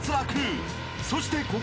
［そしてここで］